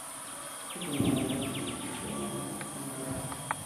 Ese mismo año consiguió publicar una novela por primera vez.